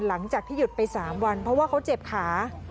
หลังจากที่หยุดไป๓วันเพราะว่าเขาเจ็บขา